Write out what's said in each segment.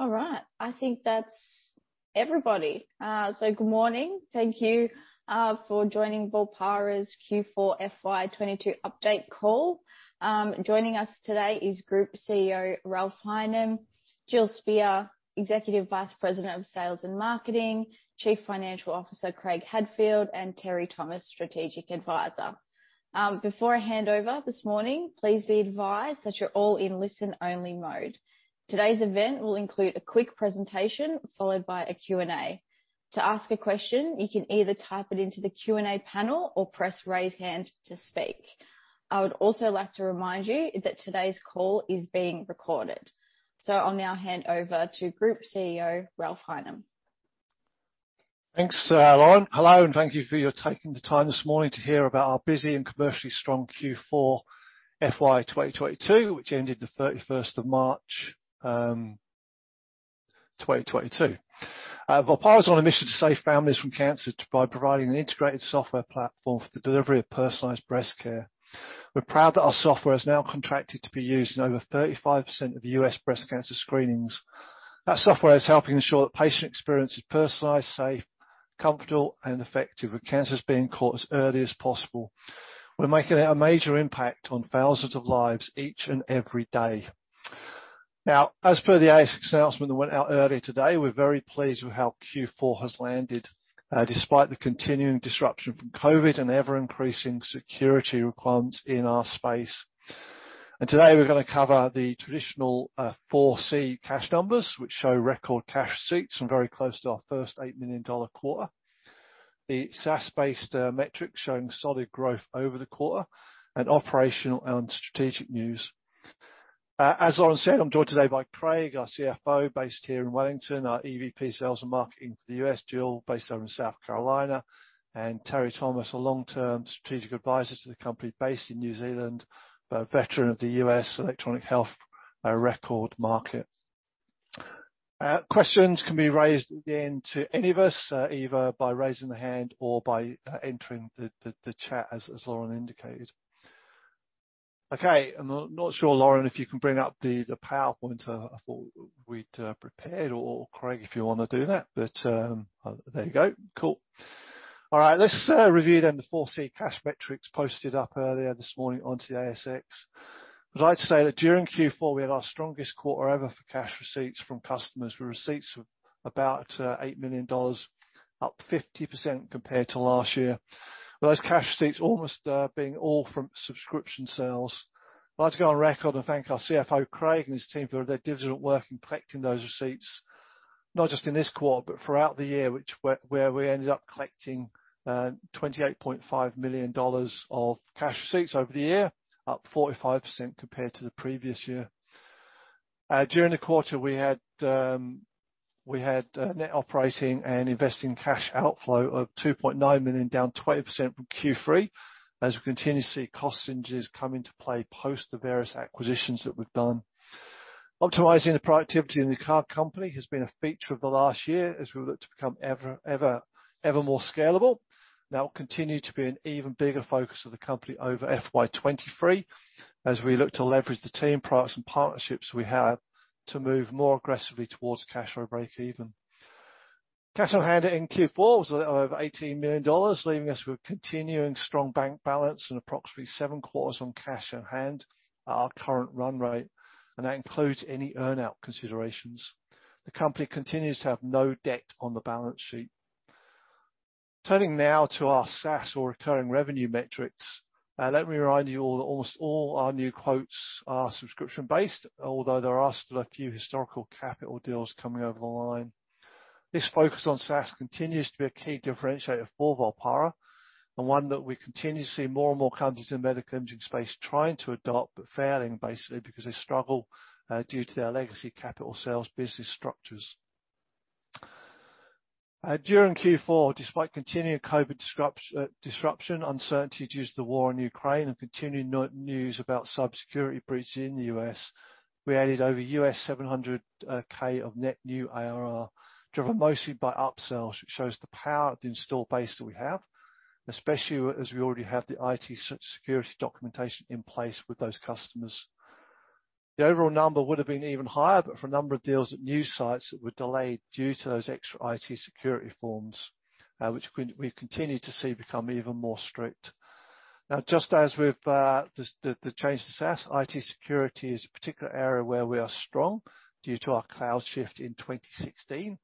All right. I think that's everybody. So good morning. Thank you for joining Volpara's Q4 FY22 update call. Joining us today is Group CEO, Ralph Highnam, Jill Spear, Executive Vice President of Sales and Marketing, Chief Financial Officer Craig Hadfield, and Teri Thomas, Strategic Advisor. Before I hand over this morning, please be advised that you're all in listen-only mode. Today's event will include a quick presentation, followed by a Q&A. To ask a question, you can either type it into the Q&A panel or press raise hand to speak. I would also like to remind you that today's call is being recorded. I'll now hand over to Group CEO, Ralph Highnam. Thanks, Lauren. Hello, and thank you for taking the time this morning to hear about our busy and commercially strong Q4 FY22, which ended the 31st of March, 2022. Volpara is on a mission to save families from cancer by providing an integrated software platform for the delivery of personalized breast care. We're proud that our software is now contracted to be used in over 35% of the US breast cancer screenings. That software is helping ensure that patient experience is personalized, safe, comfortable and effective, with cancers being caught as early as possible. We're making a major impact on thousands of lives each and every day. Now, as per the ASX announcement that went out earlier today, we're very pleased with how Q4 has landed, despite the continuing disruption from COVID and ever-increasing security requirements in our space. Today we're gonna cover the traditional 4C cash numbers, which show record cash receipts and very close to our first 8 million dollar quarter. The SaaS-based metrics showing solid growth over the quarter and operational and strategic news. As Lauren said, I'm joined today by Craig, our CFO, based here in Wellington, our EVP, Sales and Marketing for the U.S., Jill, based over in South Carolina, and Teri Thomas, a long-term strategic advisor to the company based in New Zealand, but a veteran of the U.S. electronic health record market. Questions can be raised again to any of us, either by raising the hand or by entering the chat as Lauren indicated. Okay. I'm not sure, Lauren, if you can bring up the PowerPoint, I thought we'd prepared, or Craig, if you wanna do that. There you go. Cool. All right. Let's review then the 4C cash metrics posted up earlier this morning onto the ASX. I'd like to say that during Q4 we had our strongest quarter ever for cash receipts from customers, with receipts of about 8 million dollars, up 50% compared to last year. Those cash receipts almost being all from subscription sales. I'd like to go on record and thank our CFO, Craig, and his team for their diligent work in collecting those receipts, not just in this quarter, but throughout the year, where we ended up collecting 28.5 million dollars of cash receipts over the year, up 45% compared to the previous year. During the quarter we had net operating and investing cash outflow of 2.9 million, down 20% from Q3, as we continue to see cost synergies come into play post the various acquisitions that we've done. Optimizing the productivity in the current company has been a feature of the last year as we look to become ever more scalable. That will continue to be an even bigger focus of the company over FY23, as we look to leverage the team, products and partnerships we have to move more aggressively towards a cash flow breakeven. Cash on hand in Q4 was a little over $18 million, leaving us with continuing strong bank balance and approximately 7 quarters on cash on hand at our current run rate, and that includes any earn-out considerations. The company continues to have no debt on the balance sheet. Turning now to our SaaS or recurring revenue metrics, let me remind you all that almost all our new quotes are subscription-based, although there are still a few historical capital deals coming over the line. This focus on SaaS continues to be a key differentiator for Volpara, and one that we continue to see more and more companies in the medical imaging space trying to adopt, but failing basically because they struggle, due to their legacy capital sales business structures. During Q4, despite continued COVID disruption, uncertainty due to the war in Ukraine and continued news about cybersecurity breaches in the US, we added over $700K of net new ARR, driven mostly by upsells, which shows the power of the installed base that we have, especially as we already have the IT security documentation in place with those customers. The overall number would've been even higher but for a number of deals at new sites that were delayed due to those extra IT security forms, which we've continued to see become even more strict. Now, just as with the change to SaaS, IT security is a particular area where we are strong due to our cloud shift in 2016.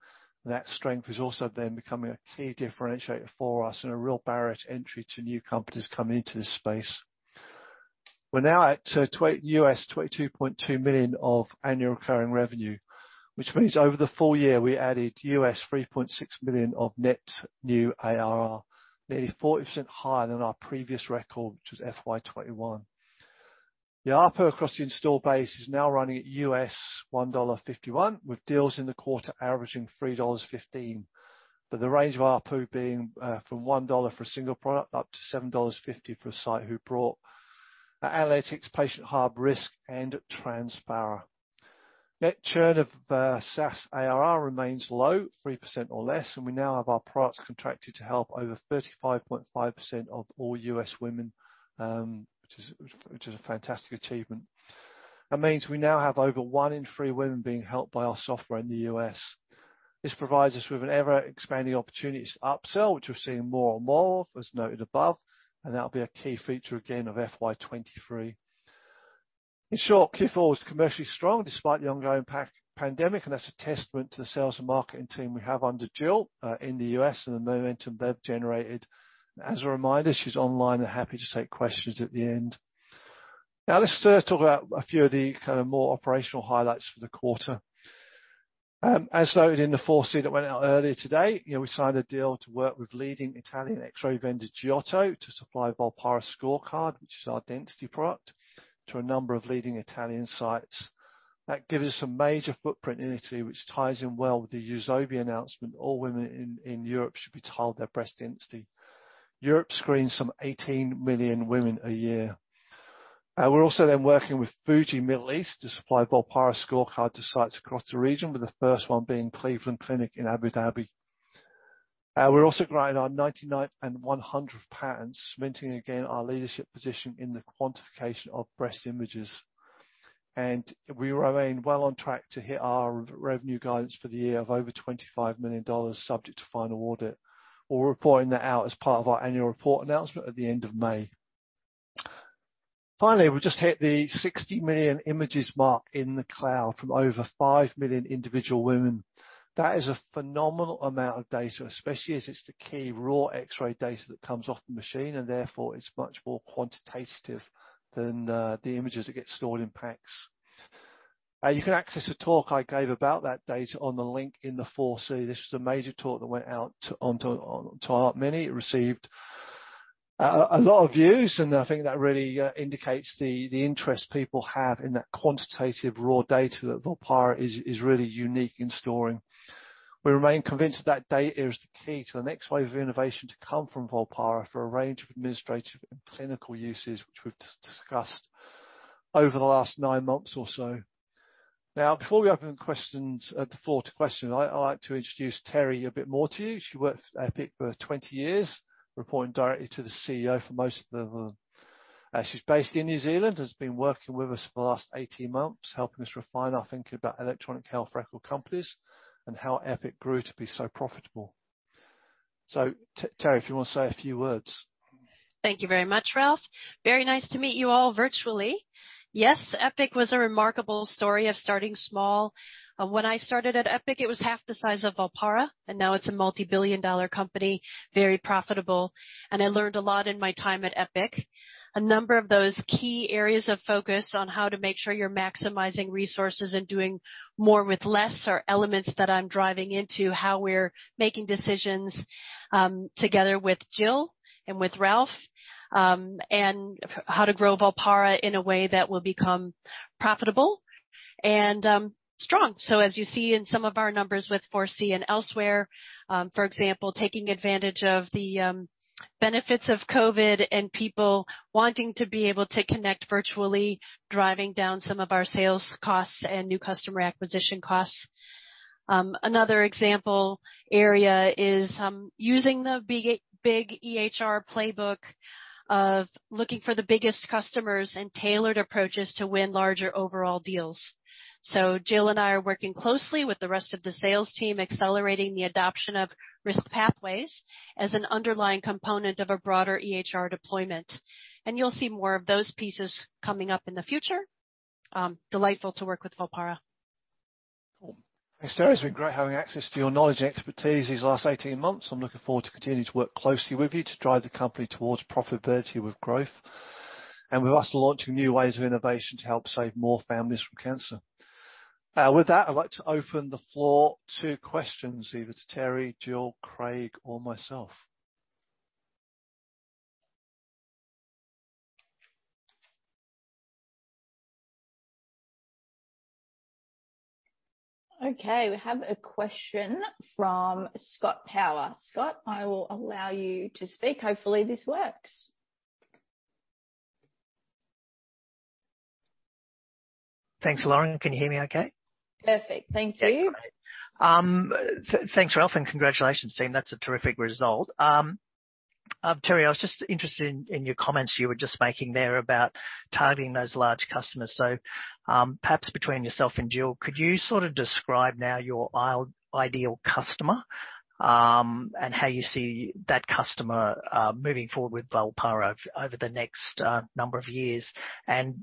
That strength is also then becoming a key differentiator for us and a real barrier to entry to new companies coming into this space. We're now at $22.2 million of annual recurring revenue, which means over the full year we added $3.6 million of net new ARR, nearly 40% higher than our previous record, which was FY21. The ARPU across the install base is now running at $1.51, with deals in the quarter averaging $3.15. The range of ARPU being from $1 for a single product up to $7.50 for a site who brought Analytics, Patient Hub, Risk and Transpara. Net churn of SaaS ARR remains low, 3% or less, and we now have our products contracted to help over 35.5% of all U.S. women, which is a fantastic achievement. That means we now have over one in three women being helped by our software in the U.S. This provides us with an ever-expanding opportunity to upsell, which we're seeing more and more of, as noted above, and that'll be a key feature again of FY23. In short, Q4 was commercially strong despite the ongoing pandemic, and that's a testament to the sales and marketing team we have under Jill in the U.S., and the momentum they've generated. As a reminder, she's online and happy to take questions at the end. Now let's talk about a few of the kinda more operational highlights for the quarter. As noted in the 4C that went out earlier today, you know, we signed a deal to work with leading Italian X-ray vendor Giotto to supply Volpara Scorecard, which is our density product, to a number of leading Italian sites. That gives us a major footprint in Italy, which ties in well with the EUSOBI announcement. All women in Europe should be told their breast density. Europe screens some 18 million women a year. We're also then working with Fujifilm Middle East to supply Volpara Scorecard to sites across the region, with the first one being Cleveland Clinic Abu Dhabi. We're also growing our 99 and 100 patents, cementing again our leadership position in the quantification of breast images. We remain well on track to hit our revenue guidance for the year of over 25 million dollars, subject to final audit. We're reporting that out as part of our annual report announcement at the end of May. Finally, we've just hit the 60 million images mark in the cloud from over 5 million individual women. That is a phenomenal amount of data, especially as it's the key raw X-ray data that comes off the machine, and therefore it's much more quantitative than the images that get stored in packs. You can access a talk I gave about that data on the link in the 4C. This was a major talk that went out on to our many. It received a lot of views, and I think that really indicates the interest people have in that quantitative raw data that Volpara is really unique in storing. We remain convinced that data is the key to the next wave of innovation to come from Volpara for a range of administrative and clinical uses, which we've discussed over the last nine months or so. Now, before we open the floor to questions, I would like to introduce Teri a bit more to you. She worked for Epic for 20 years, reporting directly to the CEO for most of them. She's based in New Zealand, has been working with us for the last 18 months, helping us refine our thinking about electronic health record companies and how Epic grew to be so profitable. Teri, if you wanna say a few words. Thank you very much, Ralph. Very nice to meet you all virtually. Yes, Epic was a remarkable story of starting small. When I started at Epic, it was half the size of Volpara, and now it's a multi-billion dollar company, very profitable. I learned a lot in my time at Epic. A number of those key areas of focus on how to make sure you're maximizing resources and doing more with less are elements that I'm driving into how we're making decisions, together with Jill and with Ralph, and how to grow Volpara in a way that will become profitable and strong. As you see in some of our numbers with 4C and elsewhere, for example, taking advantage of the benefits of COVID and people wanting to be able to connect virtually, driving down some of our sales costs and new customer acquisition costs. Another example area is using the big EHR playbook of looking for the biggest customers and tailored approaches to win larger overall deals. Jill and I are working closely with the rest of the sales team, accelerating the adoption of risk pathways as an underlying component of a broader EHR deployment. You'll see more of those pieces coming up in the future. Delightful to work with Volpara. Thanks, Teri. It's been great having access to your knowledge and expertise these last 18 months. I'm looking forward to continuing to work closely with you to drive the company towards profitability with growth. We're also launching new ways of innovation to help save more families from cancer. With that, I'd like to open the floor to questions, either to Teri, Jill, Craig, or myself. Okay, we have a question from Scott Power. Scott, I will allow you to speak. Hopefully, this works. Thanks, Lauren. Can you hear me okay? Perfect. Thank you. That's great. Thanks, Ralph, and congratulations, team. That's a terrific result. Teri, I was just interested in your comments you were just making there about targeting those large customers. Perhaps between yourself and Jill, could you sort of describe now your ideal customer, and how you see that customer moving forward with Volpara over the next number of years?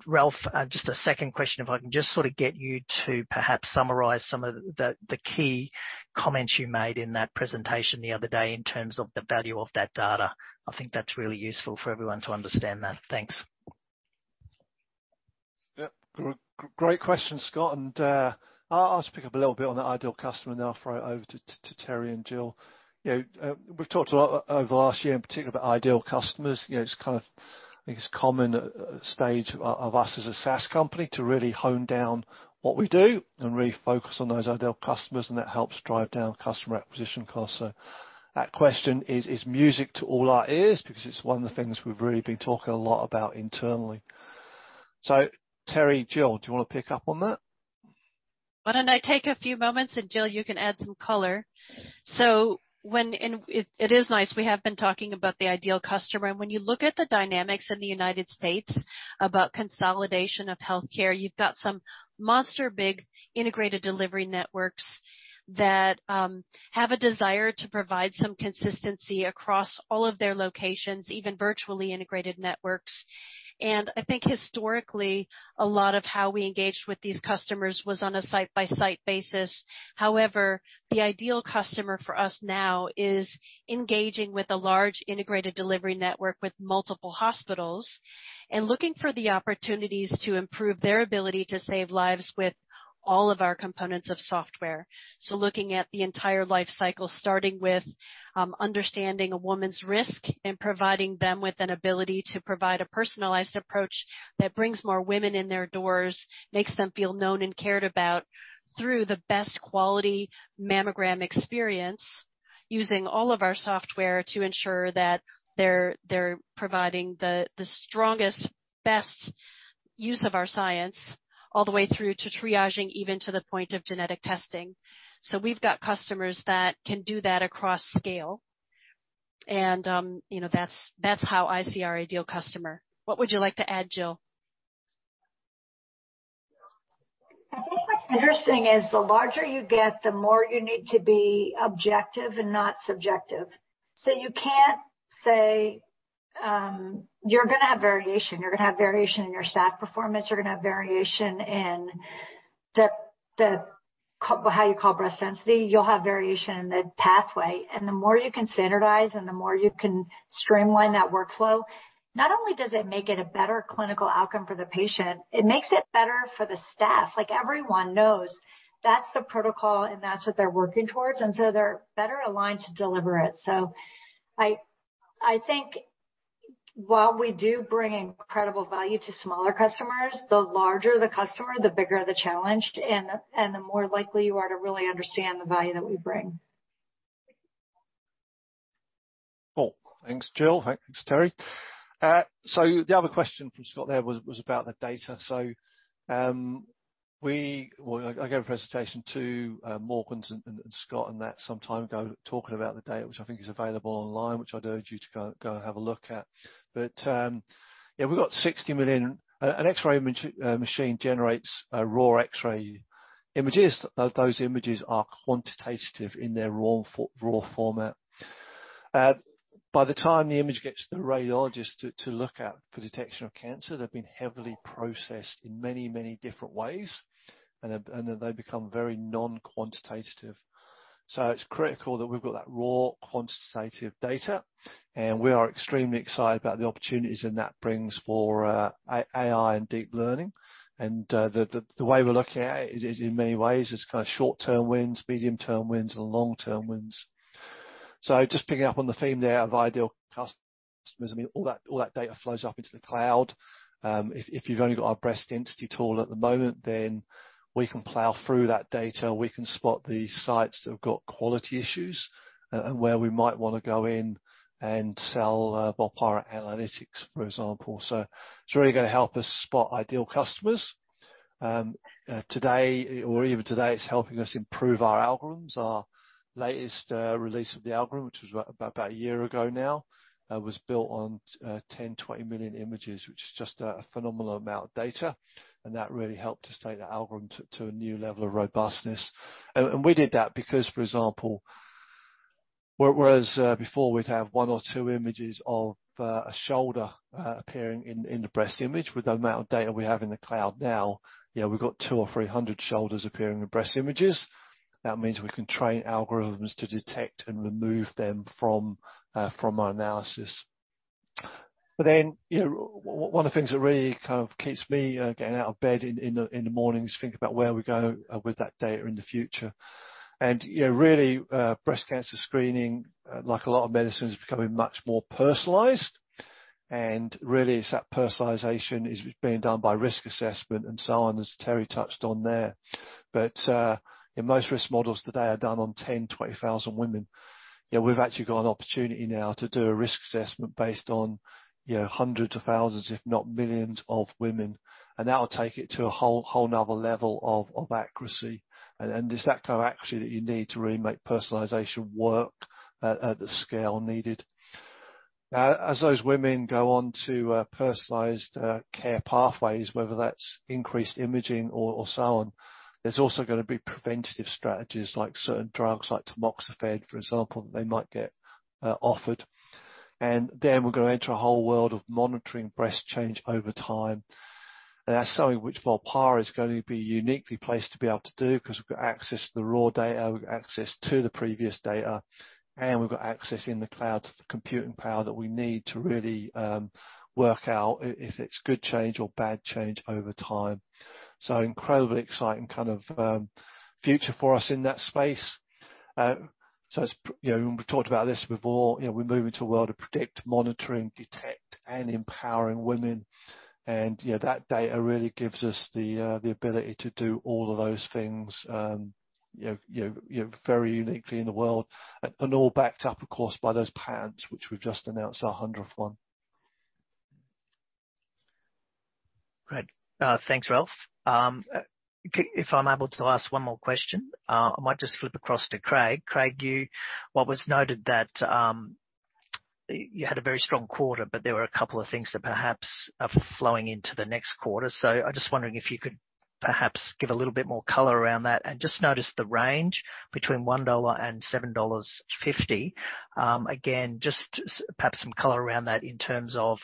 Ralph, just a second question, if I can just sort of get you to perhaps summarize some of the key comments you made in that presentation the other day in terms of the value of that data. I think that's really useful for everyone to understand that. Thanks. Yep. Great question, Scott, and I'll just pick up a little bit on the ideal customer and then I'll throw it over to Teri and Jill. You know, we've talked a lot over the last year in particular about ideal customers. You know, it's kind of, I think it's a common stage of us as a SaaS company to really hone down what we do and really focus on those ideal customers, and that helps drive down customer acquisition costs. That question is music to all our ears because it's one of the things we've really been talking a lot about internally. Teri, Jill, do you wanna pick up on that? Why don't I take a few moments, and Jill, you can add some color. It is nice, we have been talking about the ideal customer, and when you look at the dynamics in the United States about consolidation of healthcare, you've got some monster big integrated delivery networks that have a desire to provide some consistency across all of their locations, even virtually integrated networks. I think historically, a lot of how we engaged with these customers was on a site-by-site basis. However, the ideal customer for us now is engaging with a large integrated delivery network with multiple hospitals and looking for the opportunities to improve their ability to save lives with all of our components of software. Looking at the entire life cycle, starting with understanding a woman's risk and providing them with an ability to provide a personalized approach that brings more women in their doors, makes them feel known and cared about through the best quality mammogram experience, using all of our software to ensure that they're providing the strongest, best use of our science all the way through to triaging, even to the point of genetic testing. We've got customers that can do that across scale, and you know, that's how I see our ideal customer. What would you like to add, Jill? I think what's interesting is the larger you get, the more you need to be objective and not subjective. You can't say, you're gonna have variation. You're gonna have variation in your staff performance. You're gonna have variation in how you call breast density, you'll have variation in the pathway. The more you can standardize and the more you can streamline that workflow, not only does it make it a better clinical outcome for the patient, it makes it better for the staff. Like, everyone knows that's the protocol, and that's what they're working towards, and so they're better aligned to deliver it. I think while we do bring incredible value to smaller customers, the larger the customer, the bigger the challenge, and the more likely you are to really understand the value that we bring. Cool. Thanks, Jill. Thanks, Terri. The other question from Scott there was about the data. I gave a presentation to Morgans and Scott on that some time ago, talking about the data, which I think is available online, which I'd urge you to go and have a look at. We've got 60 million. An X-ray machine generates raw X-ray images. Those images are quantitative in their raw format. By the time the image gets to the radiologist to look at for detection of cancer, they've been heavily processed in many different ways, and then they become very non-quantitative. It's critical that we've got that raw, quantitative data, and we are extremely excited about the opportunities that brings for AI and deep learning. The way we're looking at it is in many ways, it's kind of short-term wins, medium-term wins, and long-term wins. Just picking up on the theme there of ideal customers, I mean, all that data flows up into the cloud. If you've only got our breast density tool at the moment, then we can plow through that data. We can spot the sites that have got quality issues, and where we might wanna go in and sell VolparaAnalytics, for example. It's really gonna help us spot ideal customers. Today or even today, it's helping us improve our algorithms. Our latest release of the algorithm, which was about a year ago now, was built on 10-20 million images, which is just a phenomenal amount of data, and that really helped us take the algorithm to a new level of robustness. We did that because, for example, whereas before we'd have one or two images of a shoulder appearing in the breast image. With the amount of data we have in the cloud now, we've got 200-300 shoulders appearing in breast images. That means we can train algorithms to detect and remove them from our analysis. You know, one of the things that really kind of keeps me getting out of bed in the mornings is think about where we go with that data in the future. You know, really, breast cancer screening, like a lot of medicine, is becoming much more personalized. Really it's that personalization is being done by risk assessment and so on, as Terri touched on there. Yeah, most risk models today are done on 10, 20,000 women. Yeah, we've actually got an opportunity now to do a risk assessment based on, you know, hundreds of thousands, if not millions of women. That will take it to a whole other level of accuracy. It's that co-action that you need to really make personalization work at the scale needed. As those women go on to personalized care pathways, whether that's increased imaging or so on, there's also gonna be preventative strategies like certain drugs like tamoxifen, for example, that they might get offered. Then we're gonna enter a whole world of monitoring breast change over time. That's something which Volpara is gonna be uniquely placed to be able to do because we've got access to the raw data, we've got access to the previous data, and we've got access in the cloud to the computing power that we need to really work out if it's good change or bad change over time. Incredibly exciting kind of future for us in that space. As you know, we've talked about this before, you know, we're moving to a world of predict, monitoring, detect, and empowering women. You know, that data really gives us the ability to do all of those things, you know, very uniquely in the world, and all backed up, of course, by those patents, which we've just announced our hundredth one. Great. Thanks, Ralph. If I'm able to ask one more question, I might just flip across to Craig. Craig, what was noted that you had a very strong quarter, but there were a couple of things that perhaps are flowing into the next quarter. I'm just wondering if you could perhaps give a little bit more color around that. Just noticed the range between $1 and $7.50. Again, just perhaps some color around that in terms of,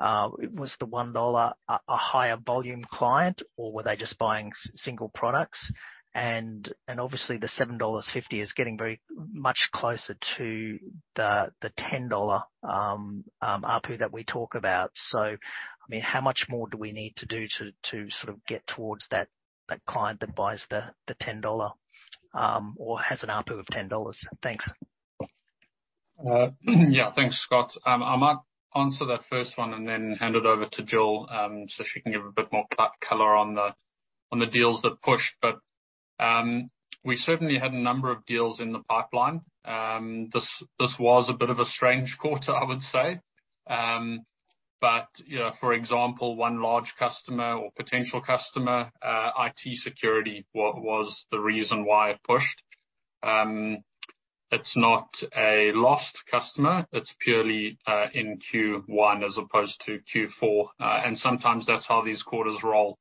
was the $1 a higher volume client or were they just buying single products? Obviously the $7.50 is getting very much closer to the $10 ARPU that we talk about. I mean, how much more do we need to do to sort of get towards that client that buys the $10 or has an ARPU of $10? Thanks. Yeah, thanks, Scott. I might answer that first one and then hand it over to Jill, so she can give a bit more color on the deals that pushed. We certainly had a number of deals in the pipeline. This was a bit of a strange quarter, I would say. You know, for example, one large customer or potential customer, IT security was the reason why it pushed. It's not a lost customer. It's purely in Q1 as opposed to Q4. Sometimes that's how these quarters roll.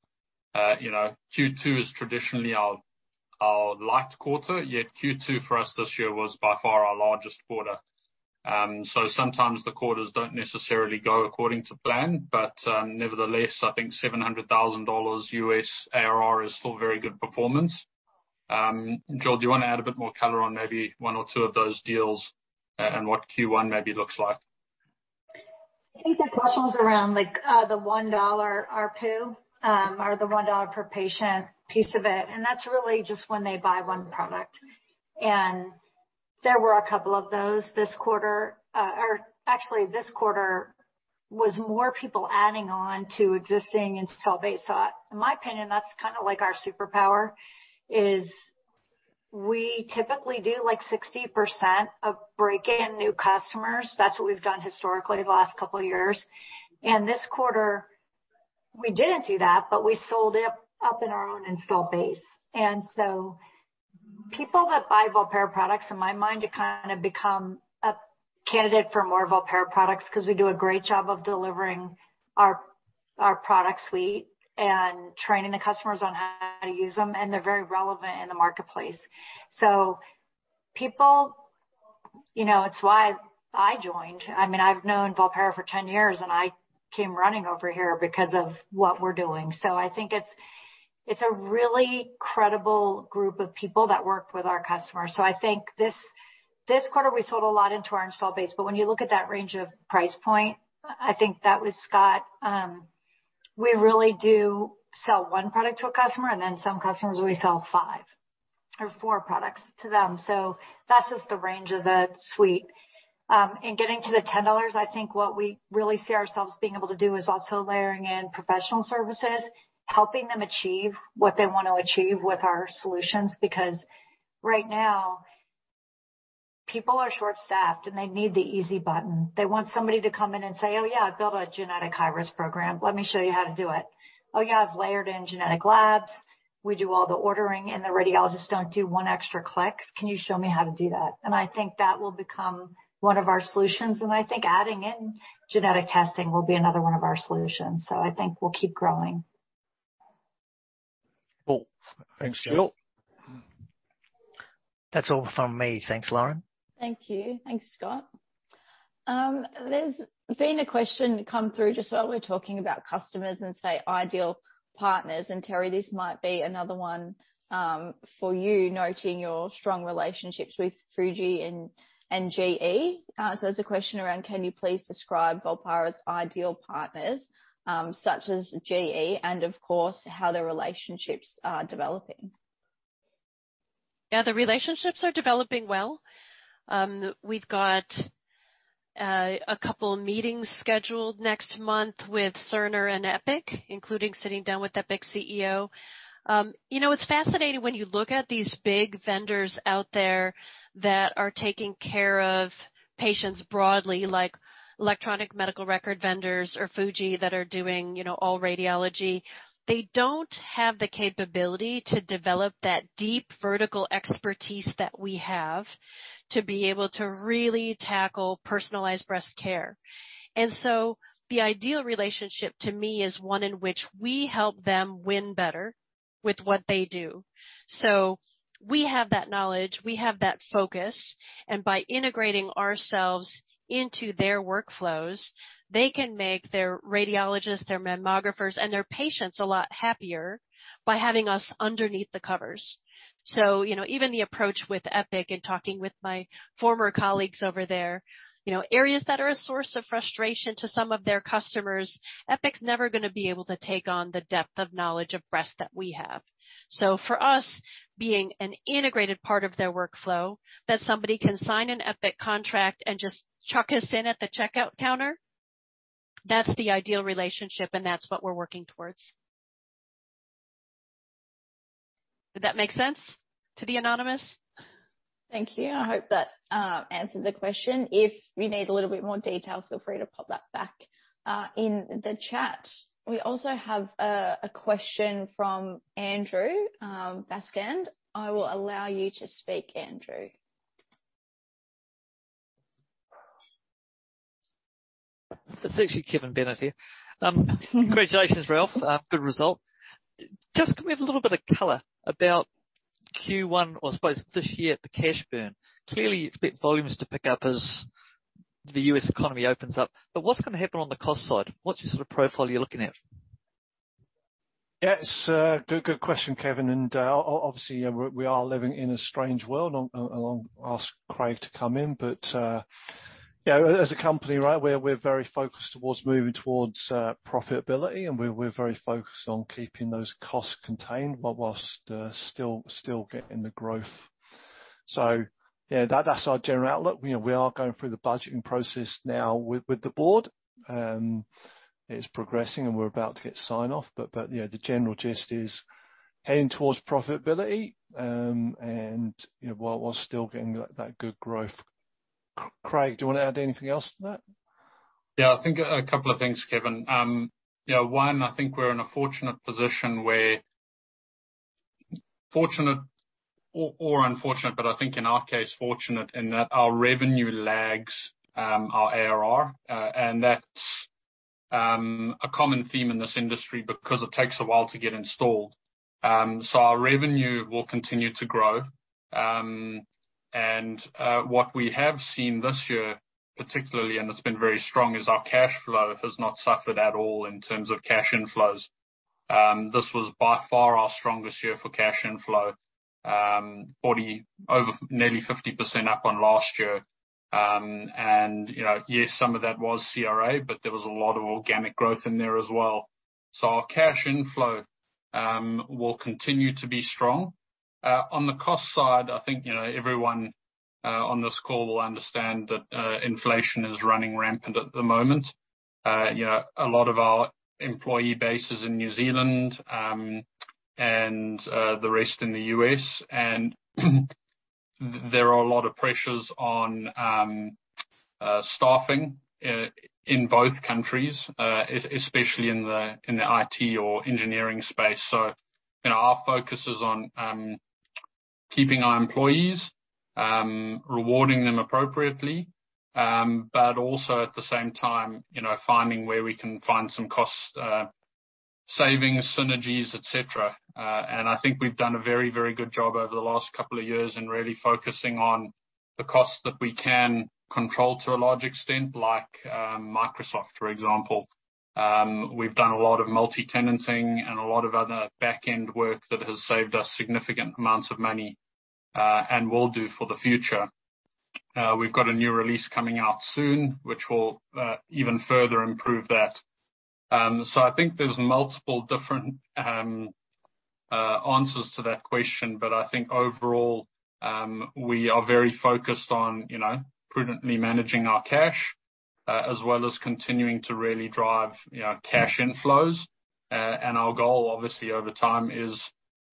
You know, Q2 is traditionally our light quarter, yet Q2 for us this year was by far our largest quarter. Sometimes the quarters don't necessarily go according to plan. Nevertheless, I think $700,000 US ARR is still very good performance. Jill, do you wanna add a bit more color on maybe one or two of those deals and what Q1 maybe looks like? I think the question was around like, the $1 ARPU, or the $1 per patient piece of it, and that's really just when they buy one product. There were a couple of those this quarter. Actually, this quarter was more people adding on to existing installed base. In my opinion, that's kinda like our superpower, is we typically do, like, 60% of bringing in new customers. That's what we've done historically the last couple of years. This quarter, we didn't do that, but we upsold in our own installed base. People that buy Volpara products, in my mind, have kinda become a candidate for more Volpara products 'cause we do a great job of delivering our product suite and training the customers on how to use them, and they're very relevant in the marketplace. People you know, it's why I joined. I mean, I've known Volpara for 10 years, and I came running over here because of what we're doing. I think it's a really credible group of people that work with our customers. I think this quarter, we sold a lot into our install base. When you look at that range of price point, I think that was Scott, we really do sell one product to a customer, and then some customers, we sell five or four products to them. That's just the range of the suite. In getting to the 10 dollars, I think what we really see ourselves being able to do is also layering in professional services, helping them achieve what they want to achieve with our solutions. Because right now, people are short-staffed, and they need the easy button. They want somebody to come in and say, "Oh yeah, build a genetic high-risk program. Let me show you how to do it. Oh yeah, I've layered in genetic labs. We do all the ordering, and the radiologists don't do one extra click. Can you show me how to do that?" I think that will become one of our solutions. I think adding in genetic testing will be another one of our solutions. I think we'll keep growing. Cool. Thanks, Jill. That's all from me. Thanks, Lauren. Thank you. Thanks, Scott. There's been a question come through just while we're talking about customers and, say, ideal partners. Teri, this might be another one for you, noting your strong relationships with Fujifilm and GE. There's a question around, can you please describe Volpara's ideal partners, such as GE, and of course, how the relationships are developing? Yeah. The relationships are developing well. We've got a couple of meetings scheduled next month with Cerner and Epic, including sitting down with Epic's CEO. You know, it's fascinating when you look at these big vendors out there that are taking care of patients broadly, like electronic medical record vendors or Fujifilm that are doing, you know, all radiology. They don't have the capability to develop that deep vertical expertise that we have to be able to really tackle personalized breast care. The ideal relationship to me is one in which we help them win better with what they do. We have that knowledge. We have that focus, and by integrating ourselves into their workflows, they can make their radiologists, their mammographers, and their patients a lot happier by having us underneath the covers. you know, even the approach with Epic and talking with my former colleagues over there. You know, areas that are a source of frustration to some of their customers, Epic's never gonna be able to take on the depth of knowledge of breast that we have. For us, being an integrated part of their workflow, that somebody can sign an Epic contract and just chuck us in at the checkout counter, that's the ideal relationship, and that's what we're working towards. Did that make sense to the anonymous? Thank you. I hope that answered the question. If you need a little bit more detail, feel free to pop that back in the chat. We also have a question from Andrew Baskand. I will allow you to speak, Andrew. It's actually Kevin Bennett here. Congratulations, Ralph. Good result. Just can we have a little bit of color about Q1 or, I suppose, this year at the cash burn? Clearly, you expect volumes to pick up as the U.S. economy opens up, but what's gonna happen on the cost side? What's the sort of profile you're looking at? Yeah. It's a good question, Kevin, and obviously, we are living in a strange world. I'll ask Craig to come in. Yeah, as a company, right, we're very focused towards moving towards profitability, and we're very focused on keeping those costs contained but whilst still getting the growth. Yeah, that's our general outlook. You know, we are going through the budgeting process now with the board. It's progressing, and we're about to get sign-off. You know, the general gist is heading towards profitability, and you know, while still getting that good growth. Craig, do you wanna add anything else to that? Yeah. I think a couple of things, Kevin. You know, one, I think we're in a fortunate position. Fortunate or unfortunate, but I think in our case, fortunate in that our revenue lags our ARR. That's a common theme in this industry because it takes a while to get installed. Our revenue will continue to grow. What we have seen this year particularly, and it's been very strong, is our cash flow has not suffered at all in terms of cash inflows. This was by far our strongest year for cash inflow, nearly 50% up on last year. You know, yes, some of that was CRA, but there was a lot of organic growth in there as well. Our cash inflow will continue to be strong. On the cost side, I think, you know, everyone on this call will understand that, inflation is running rampant at the moment. You know, a lot of our employee base is in New Zealand, and the rest in the U.S. There are a lot of pressures on, staffing in both countries, especially in the IT or engineering space. You know, our focus is on keeping our employees, rewarding them appropriately, but also at the same time, you know, finding where we can find some cost savings, synergies, et cetera. I think we've done a very, very good job over the last couple of years in really focusing on the costs that we can control to a large extent, like Microsoft, for example. We've done a lot of multi-tenanting and a lot of other back-end work that has saved us significant amounts of money, and will do for the future. We've got a new release coming out soon, which will even further improve that. I think there's multiple different answers to that question. I think overall, we are very focused on, you know, prudently managing our cash, as well as continuing to really drive, you know, cash inflows. Our goal obviously over time is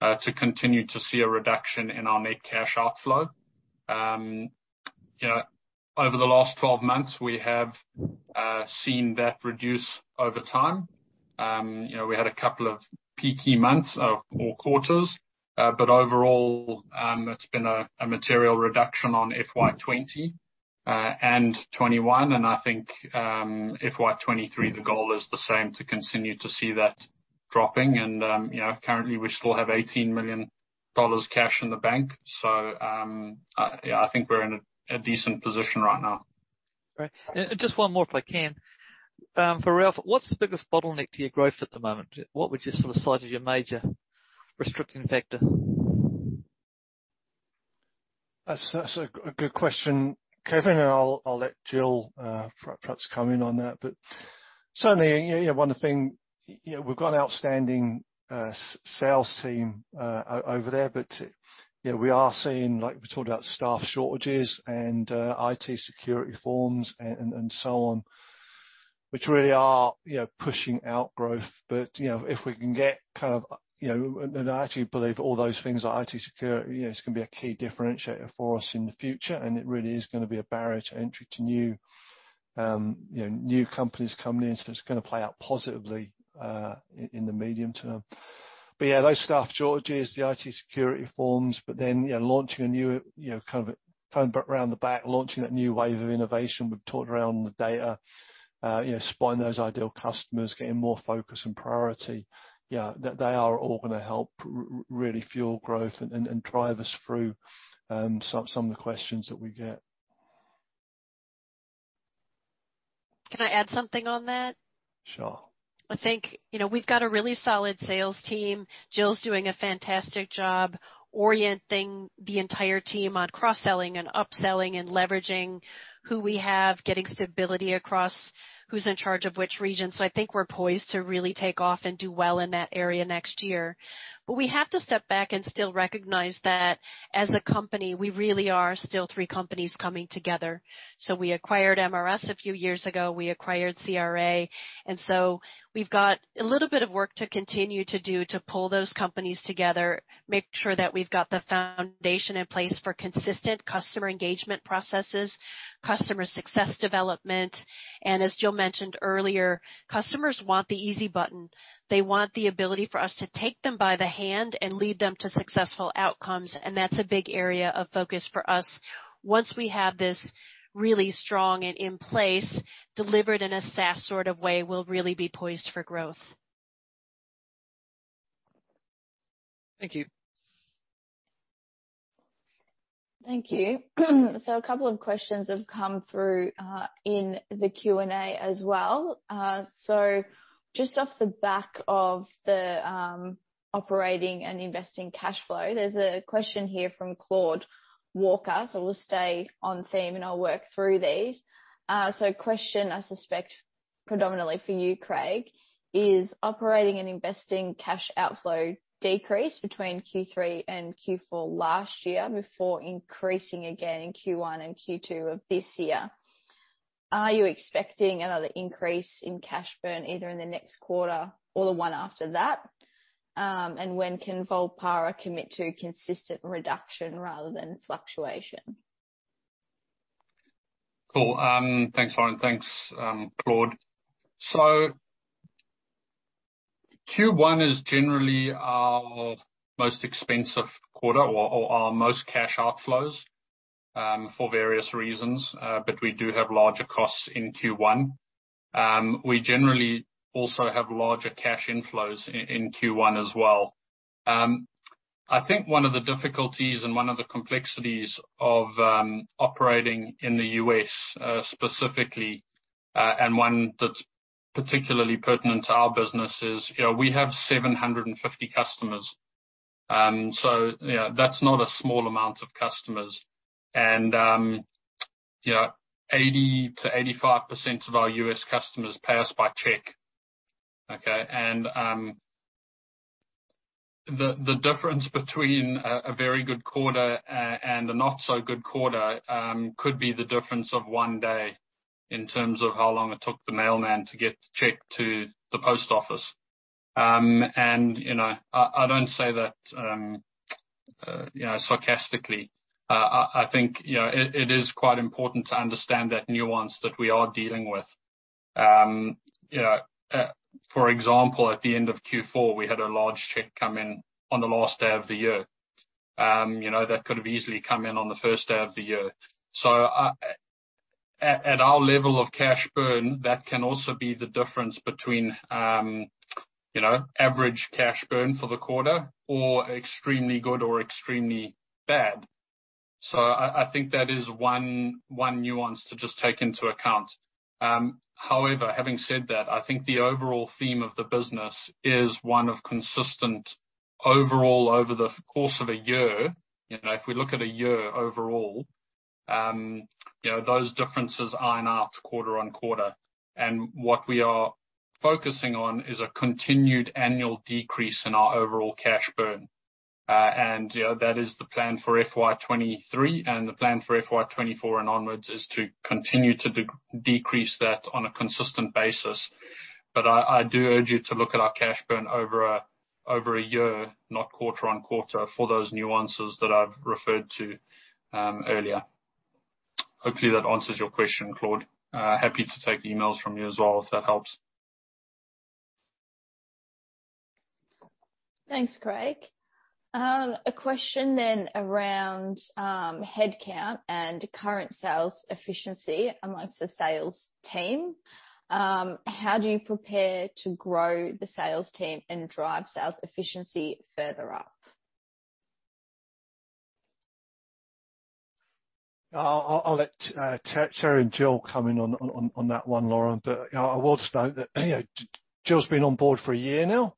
to continue to see a reduction in our net cash outflow. You know, over the last 12 months, we have seen that reduce over time. You know, we had a couple of peaky months or quarters, but overall, it's been a material reduction on FY20 and 2021. I think FY23, the goal is the same to continue to see that dropping. You know, currently we still have 18 million dollars cash in the bank. Yeah, I think we're in a decent position right now. Great. Just one more if I can. For Ralph, what's the biggest bottleneck to your growth at the moment? What would you sort of cite as your major restricting factor? That's a good question, Kevin, and I'll let Jill perhaps comment on that. Certainly, you know, one of the things, you know, we've got an outstanding sales team over there. You know, we are seeing, like we talked about, staff shortages and IT security firms and so on, which really are, you know, pushing out growth. You know, if we can get kind of, you know. I actually believe all those things like IT security, you know, it's gonna be a key differentiator for us in the future, and it really is gonna be a barrier to entry to new, you know, new companies coming in. It's gonna play out positively in the medium term. Yeah, those staff shortages, the IT security firms. You know, launching a new, you know, kind of coming back around the back, launching that new wave of innovation we've talked around the data, you know, spotting those ideal customers, getting more focus and priority. Yeah. They are all gonna help really fuel growth and drive us through some of the questions that we get. Can I add something on that? Sure. I think, you know, we've got a really solid sales team. Jill's doing a fantastic job orienting the entire team on cross-selling and upselling and leveraging who we have, getting stability across who's in charge of which region. I think we're poised to really take off and do well in that area next year. We have to step back and still recognize that as a company, we really are still three companies coming together. We acquired MRS a few years ago, we acquired CRA, and so we've got a little bit of work to continue to do to pull those companies together, make sure that we've got the foundation in place for consistent customer engagement processes, customer success development. As Jill mentioned earlier, customers want the easy button. They want the ability for us to take them by the hand and lead them to successful outcomes, and that's a big area of focus for us. Once we have this really strong and in place, delivered in a SaaS sort of way, we'll really be poised for growth. Thank you. Thank you. A couple of questions have come through in the Q&A as well. Just off the back of the operating and investing cash flow, there's a question here from Claude Walker, we'll stay on theme, and I'll work through these. Question I suspect predominantly for you, Craig, is operating and investing cash outflow decreased between Q3 and Q4 last year before increasing again in Q1 and Q2 of this year. Are you expecting another increase in cash burn either in the next quarter or the one after that? When can Volpara commit to a consistent reduction rather than fluctuation? Cool. Thanks, Lauren. Thanks, Claude. Q1 is generally our most expensive quarter or our most cash outflows for various reasons. But we do have larger costs in Q1. We generally also have larger cash inflows in Q1 as well. I think one of the difficulties and one of the complexities of operating in the U.S., specifically, and one that's particularly pertinent to our business is, you know, we have 750 customers. So, you know, that's not a small amount of customers and, you know, 80%-85% of our U.S. customers pay us by check, okay? The difference between a very good quarter and a not so good quarter could be the difference of one day in terms of how long it took the mailman to get the check to the post office. You know, I don't say that sarcastically. I think you know, it is quite important to understand that nuance that we are dealing with. You know, for example, at the end of Q4, we had a large check come in on the last day of the year, you know, that could have easily come in on the first day of the year. At our level of cash burn, that can also be the difference between average cash burn for the quarter or extremely good or extremely bad. I think that is one nuance to just take into account. However, having said that, I think the overall theme of the business is one of consistent overall over the course of a year. You know, if we look at a year overall, you know, those differences iron out quarter-over-quarter, and what we are focusing on is a continued annual decrease in our overall cash burn. You know, that is the plan for FY23, and the plan for FY24 and onward is to continue to decrease that on a consistent basis. I do urge you to look at our cash burn over a year, not quarter-over-quarter, for those nuances that I've referred to earlier. Hopefully, that answers your question, Claude. Happy to take emails from you as well, if that helps. Thanks, Craig. A question then around headcount and current sales efficiency among the sales team. How do you prepare to grow the sales team and drive sales efficiency further up? I'll let Terry and Jill come in on that one, Lauren. You know, I will just note that, you know, Jill's been on board for a year now.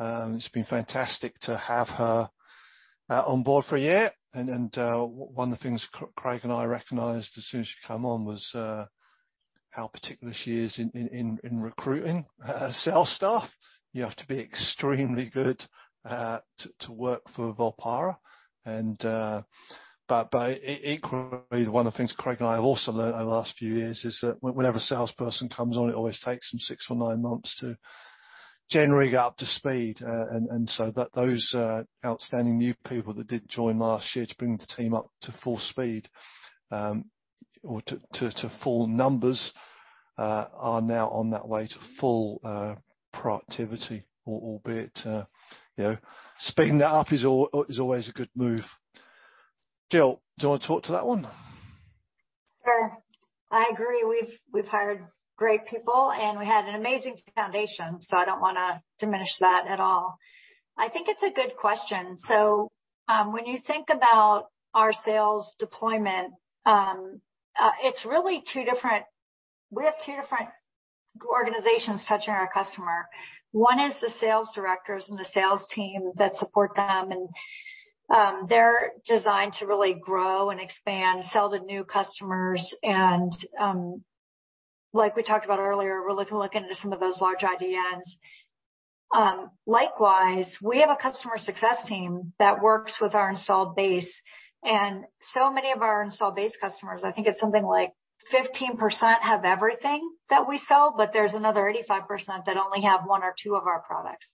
It's been fantastic to have her on board for a year. One of the things Craig and I recognized as soon as she come on was how particular she is in recruiting sales staff. You have to be extremely good to work for Volpara. Equally, one of the things Craig and I have also learned over the last few years is that whenever a salesperson comes on, it always takes them six or nine months to generally get up to speed. Those outstanding new people that did join last year to bring the team up to full speed or to full numbers are now on their way to full productivity, albeit, you know, speeding that up is always a good move. Jill, do you wanna talk to that one? Sure. I agree. We've hired great people, and we had an amazing foundation, so I don't wanna diminish that at all. I think it's a good question. When you think about our sales deployment, it's really two different. We have two different organizations touching our customer. One is the sales directors and the sales team that support them. They're designed to really grow and expand, sell to new customers. Like we talked about earlier, we're looking to look into some of those large IDNs. Likewise, we have a customer success team that works with our installed base. Many of our installed base customers, I think it's something like 15% have everything that we sell, but there's another 85% that only have one or two of our products.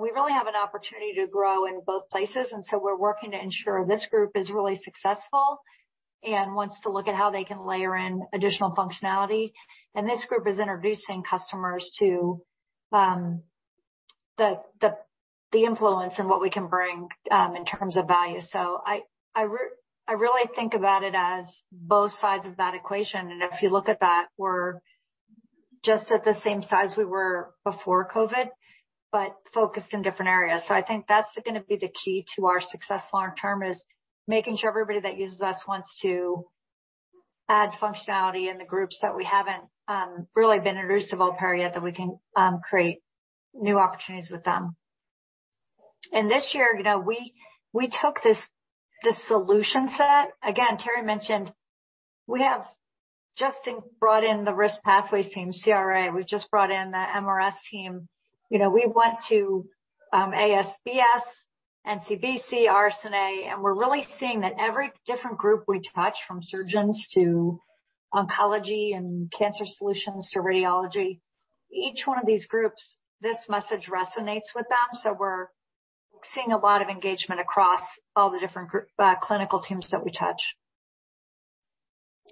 We really have an opportunity to grow in both places, and so we're working to ensure this group is really successful and wants to look at how they can layer in additional functionality. This group is introducing customers to the influence and what we can bring in terms of value. I really think about it as both sides of that equation. If you look at that, we're just at the same size we were before COVID, but focused in different areas. I think that's gonna be the key to our success long term, is making sure everybody that uses us wants to add functionality in the groups that we haven't really been introduced to Volpara yet, that we can create new opportunities with them. This year, you know, we took this solution set. Again, Teri mentioned we have just brought in the Risk Pathways team, CRA. We've just brought in the MRS team. You know, we went to ASBS, NCBC, RSNA, and we're really seeing that every different group we touch, from surgeons to oncology and cancer solutions to radiology, each one of these groups, this message resonates with them, so we're seeing a lot of engagement across all the different clinical teams that we touch.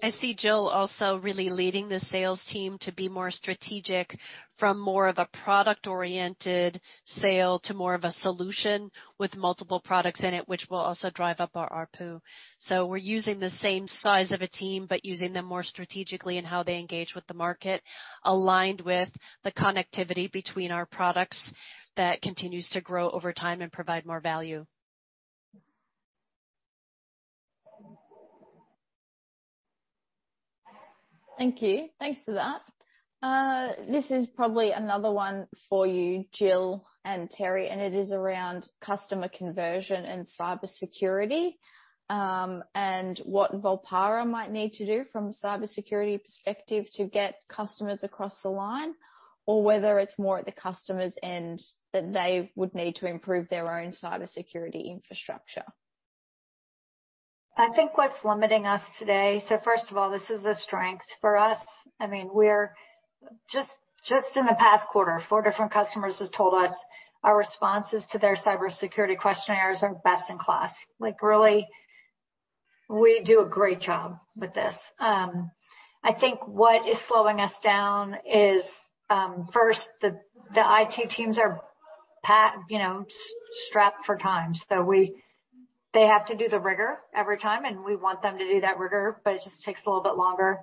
I see Jill also really leading the sales team to be more strategic from more of a product-oriented sale to more of a solution with multiple products in it, which will also drive up our ARPU. We're using the same size of a team, but using them more strategically in how they engage with the market, aligned with the connectivity between our products that continues to grow over time and provide more value. Thank you. Thanks for that. This is probably another one for you, Jill and Teri, and it is around customer conversion and cybersecurity, and what Volpara might need to do from a cybersecurity perspective to get customers across the line, or whether it's more at the customer's end that they would need to improve their own cybersecurity infrastructure. I think what's limiting us today. First of all, this is a strength for us. I mean, just in the past quarter, four different customers have told us our responses to their cybersecurity questionnaires are best in class. Like, really, we do a great job with this. I think what is slowing us down is, first, the IT teams are, you know, strapped for time. They have to do the rigor every time, and we want them to do that rigor, but it just takes a little bit longer.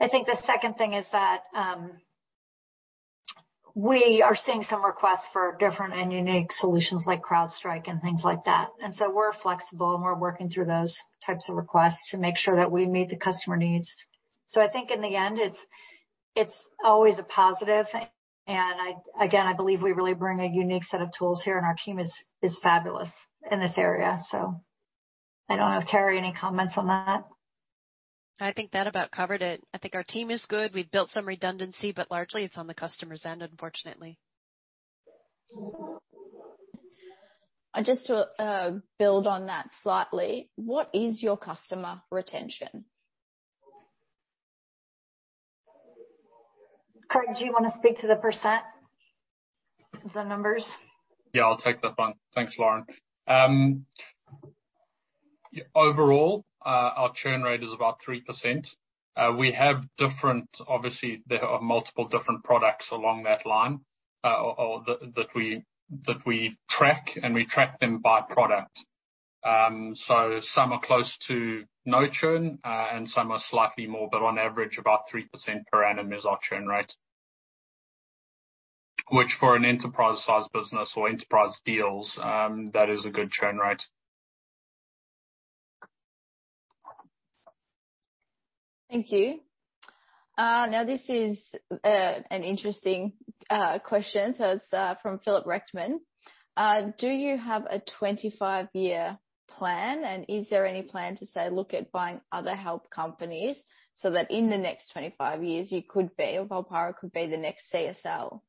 I think the second thing is that, we are seeing some requests for different and unique solutions like CrowdStrike and things like that. We're flexible, and we're working through those types of requests to make sure that we meet the customer needs. I think in the end it's always a positive. I again believe we really bring a unique set of tools here, and our team is fabulous in this area. I don't know if Teri any comments on that? I think that about covered it. I think our team is good. We've built some redundancy, but largely it's on the customer's end, unfortunately. Just to build on that slightly, what is your customer retention? Craig, do you wanna speak to the percent? The numbers? Yeah, I'll take that one. Thanks, Lauren. Overall, our churn rate is about 3%. Obviously, there are multiple different products along that line, or that we track, and we track them by product. So some are close to no churn, and some are slightly more, but on average, about 3% per annum is our churn rate. Which for an enterprise-sized business or enterprise deals, that is a good churn rate. Thank you. Now this is an interesting question. It's from Philip Rickman. Do you have a 25-year plan, and is there any plan to, say, look at buying other health companies so that in the next 25 years you could be, or Volpara could be the next CSL?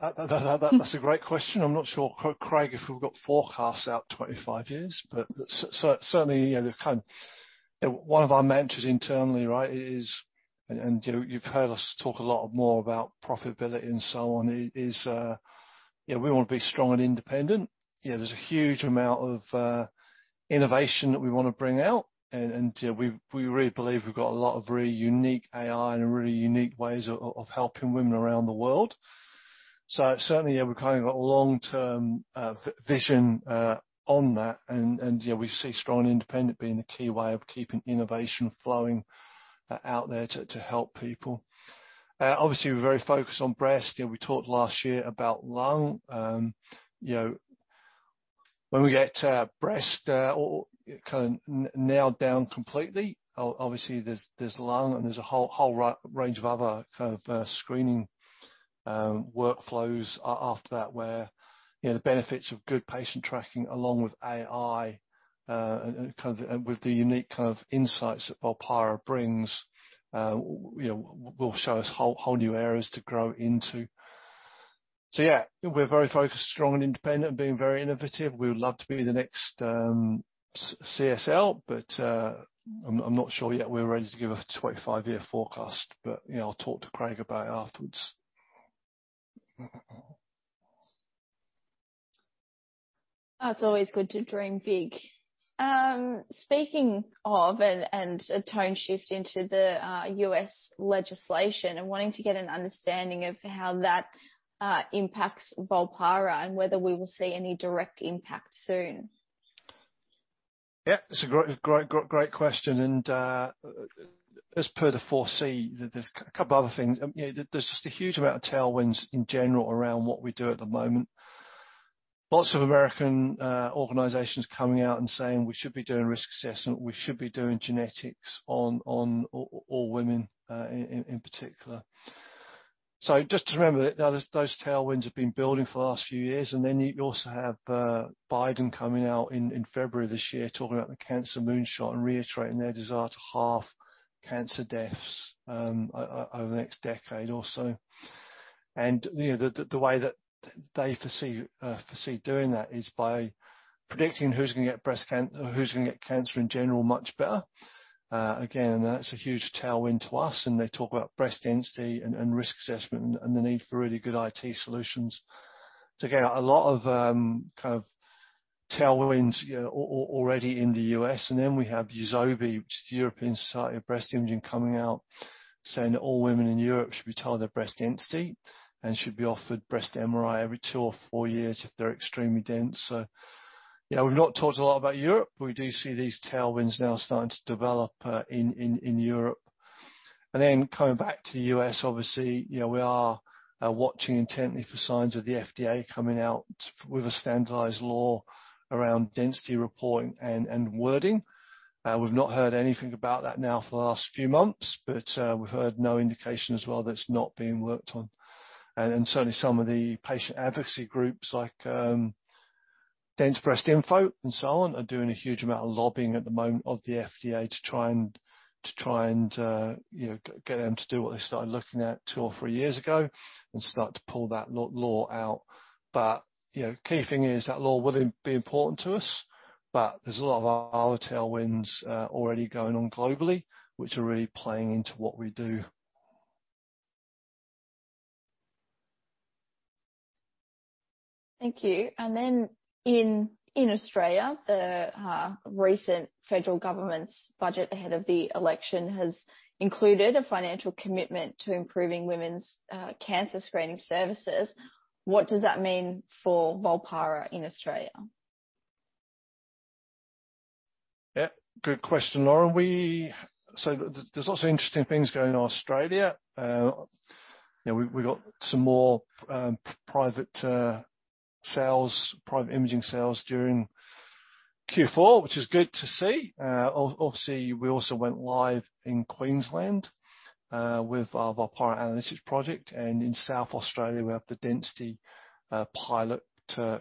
That's a great question. I'm not sure, Craig, if we've got forecasts out 25 years, but certainly, you know, one of our mantras internally, right, is, and you've heard us talk a lot more about profitability and so on, is, you know, we wanna be strong and independent. You know, there's a huge amount of innovation that we wanna bring out, and you know, we really believe we've got a lot of really unique AI and really unique ways of helping women around the world. Certainly, you know, we've kind of got a long-term vision on that and yeah, we see strong independent being the key way of keeping innovation flowing out there to help people. Obviously we're very focused on breast. You know, we talked last year about lung. You know, when we get breast or kind of nailed down completely, obviously there's lung and there's a whole range of other kind of screening workflows after that where you know the benefits of good patient tracking along with AI and kind of with the unique kind of insights that Volpara brings you know will show us whole new areas to grow into. Yeah, we're very focused, strong and independent, being very innovative. We would love to be the next CSL, but I'm not sure yet we're ready to give a 25-year forecast. You know, I'll talk to Craig about it afterwards. It's always good to dream big. Speaking of a tone shift into the US legislation and wanting to get an understanding of how that impacts Volpara and whether we will see any direct impact soon. Yeah, it's a great question. As per the 4C, there's a couple other things. You know, there's just a huge amount of tailwinds in general around what we do at the moment. Lots of American organizations coming out and saying we should be doing risk assessment, we should be doing genetics on all women in particular. Just to remember that, those tailwinds have been building for the last few years. You also have Biden coming out in February this year talking about the Cancer Moonshot and reiterating their desire to halve cancer deaths over the next decade or so. You know, the way that they foresee doing that is by predicting who's gonna get breast cancer or who's gonna get cancer in general much better. Again, that's a huge tailwind to us, and they talk about breast density and risk assessment and the need for really good IT solutions. To get a lot of kind of tailwinds, you know, already in the US. We have EUSOBI, which is the European Society of Breast Imaging, coming out saying that all women in Europe should be told their breast density and should be offered breast MRI every two or four years if they're extremely dense. Yeah, we've not talked a lot about Europe. We do see these tailwinds now starting to develop in Europe. Coming back to the US, obviously, you know, we are watching intently for signs of the FDA coming out with a standardized law around density reporting and wording. We've not heard anything about that now for the last few months, but we've heard no indication as well that it's not being worked on. Certainly some of the patient advocacy groups like, DenseBreast-info.org and so on, are doing a huge amount of lobbying at the moment to the FDA to try and, you know, get them to do what they started looking at two or three years ago and start to pull that law out. You know, key thing is that law will be important to us, but there's a lot of our tailwinds already going on globally which are really playing into what we do. Thank you. In Australia, the recent federal government's budget ahead of the election has included a financial commitment to improving women's cancer screening services. What does that mean for Volpara in Australia? Yeah, good question, Lauren. So there's lots of interesting things going on in Australia. You know, we've got some more private sales, private imaging sales during Q4, which is good to see. Obviously, we also went live in Queensland with our VolparaAnalytics project. In South Australia, we have the density pilot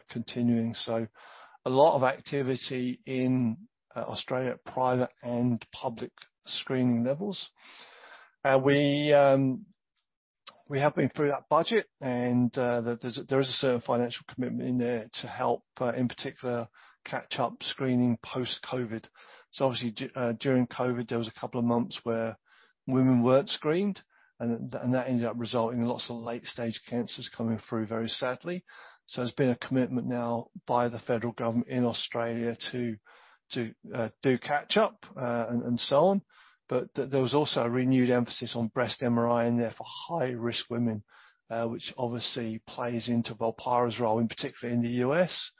continuing. A lot of activity in Australia at private and public screening levels. We have been through that budget and there's a certain financial commitment in there to help, in particular catch up screening post-COVID. Obviously, during COVID, there was a couple of months where women weren't screened and that ended up resulting in lots of late-stage cancers coming through very sadly. There's been a commitment now by the federal government in Australia to do catch-up and so on. There was also a renewed emphasis on breast MRI in there for high-risk women, which obviously plays into Volpara's role, in particular in the U.S.,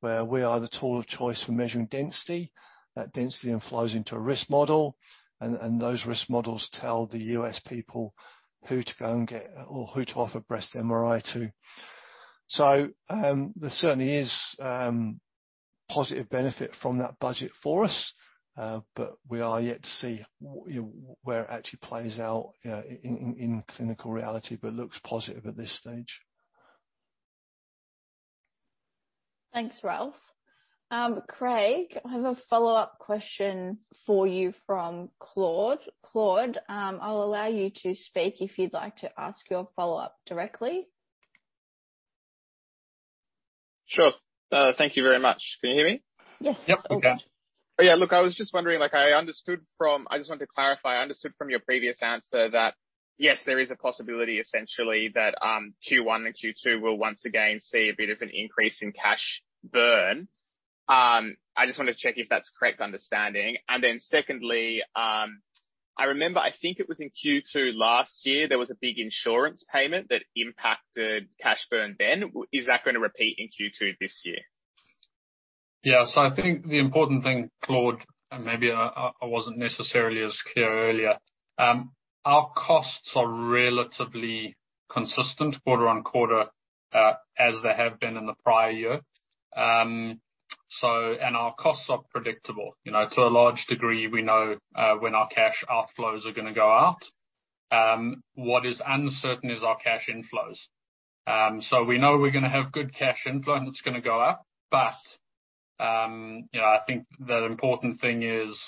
where we are the tool of choice for measuring density. That density then flows into a risk model, and those risk models tell the U.S. people who to go and get or who to offer breast MRI to. There certainly is positive benefit from that budget for us, but we are yet to see where it actually plays out, you know, in clinical reality, but it looks positive at this stage. Thanks, Ralph. Craig, I have a follow-up question for you from Claude. Claude, I'll allow you to speak if you'd like to ask your follow-up directly. Sure. Thank you very much. Can you hear me? Yes. Yep. Okay. Oh, yeah. Look, I was just wondering. I just want to clarify, I understood from your previous answer that, yes, there is a possibility essentially that Q1 and Q2 will once again see a bit of an increase in cash burn. I just wanted to check if that's a correct understanding. Then secondly, I remember, I think it was in Q2 last year, there was a big insurance payment that impacted cash burn then. Is that gonna repeat in Q2 this year? Yeah. I think the important thing, Claude, and maybe I wasn't necessarily as clear earlier, our costs are relatively- Consistent quarter-on-quarter, as they have been in the prior year. Our costs are predictable. You know, to a large degree, we know when our cash outflows are gonna go out. What is uncertain is our cash inflows. We know we're gonna have good cash inflow, and it's gonna go up. You know, I think the important thing is,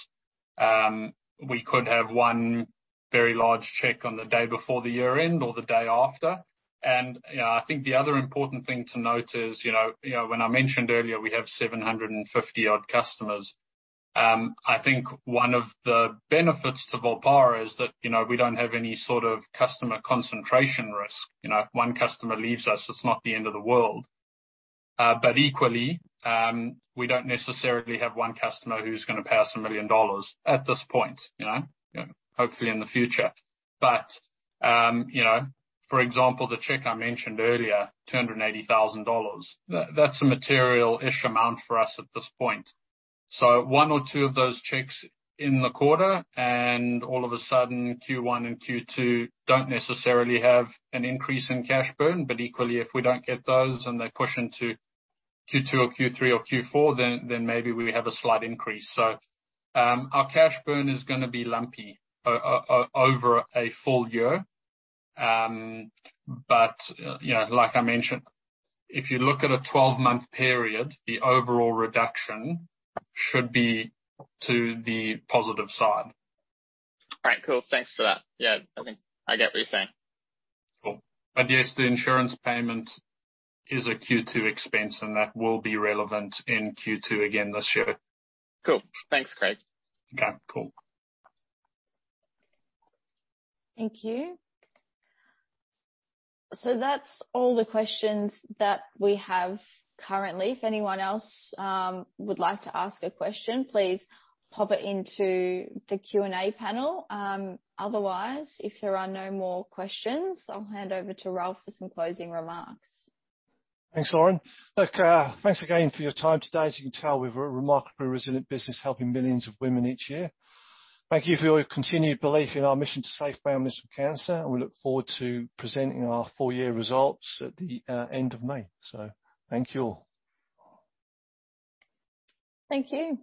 we could have one very large check on the day before the year-end or the day after. You know, I think the other important thing to note is, you know, when I mentioned earlier we have 750-odd customers, I think one of the benefits to Volpara is that, you know, we don't have any sort of customer concentration risk. You know, one customer leaves us, it's not the end of the world. Equally, we don't necessarily have one customer who's gonna pay us $1 million at this point, you know? Hopefully in the future. You know, for example, the check I mentioned earlier, $280,000, that's a material-ish amount for us at this point. One or two of those checks in the quarter, and all of a sudden, Q1 and Q2 don't necessarily have an increase in cash burn. Equally, if we don't get those and they push into Q2 or Q3 or Q4, then maybe we have a slight increase. Our cash burn is gonna be lumpy over a full-year. You know, like I mentioned, if you look at a 12-month period, the overall reduction should be to the positive side. All right. Cool. Thanks for that. Yeah. I think I get what you're saying. Cool. Yes, the insurance payment is a Q2 expense, and that will be relevant in Q2 again this year. Cool. Thanks, Craig. Okay, cool. Thank you. That's all the questions that we have currently. If anyone else would like to ask a question, please pop it into the Q&A panel. Otherwise, if there are no more questions, I'll hand over to Ralph for some closing remarks. Thanks, Lauren. Look, thanks again for your time today. As you can tell, we've a remarkably resilient business helping millions of women each year. Thank you for your continued belief in our mission to save families from cancer, and we look forward to presenting our full-year results at the end of May. Thank you all. Thank you.